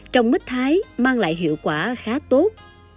trồng mít mang lại hiệu quả khá tốt